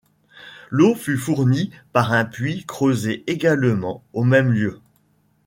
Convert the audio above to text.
L'eau fut fournie par un puits creusé également au même lieu.